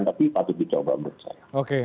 tapi patut dicoba menurut saya